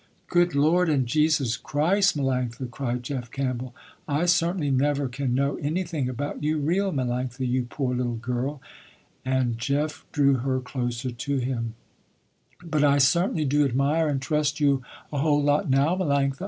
"Good Lord and Jesus Christ, Melanctha!" cried Jeff Campbell. "I certainly never can know anything about you real, Melanctha, you poor little girl," and Jeff drew her closer to him, "But I certainly do admire and trust you a whole lot now, Melanctha.